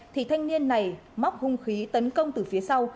thì thanh niên này móc hung khí tấn công từ phía sau